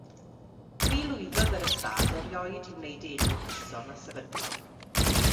Ni lwyddodd yr ystâd erioed i wneud elw cyson a sefydlog.